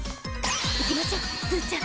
行きましょすうちゃん。